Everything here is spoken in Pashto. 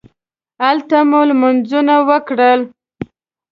هلته مو لمونځونه وکړل.